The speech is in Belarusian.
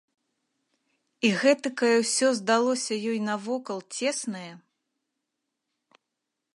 І гэтакае ўсё здалося ёй навокал цеснае!